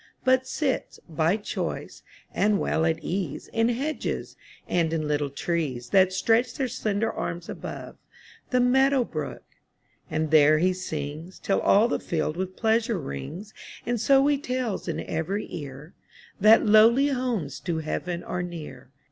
But sits, by choice, and well at ease. In hedges, and in little trees That stretch their slender arms above The meadow brook; and there he sings Till all the field with pleasure rings; And so he tells in every ear, That lowly homes to heaven are near.